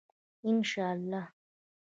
انشاالله.